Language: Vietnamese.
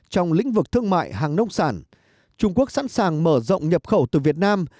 trong lĩnh vực thương mại hàng nông sản trung quốc sẵn sàng mở rộng nhập khẩu từ việt nam